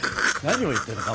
何を言ってるの？